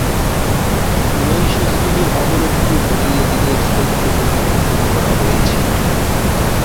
নৈশ শ্রেণীর অবলুপ্তি ঘটিয়ে দিনের শ্রেণীতে পরিবর্তন করা হয়েছিল।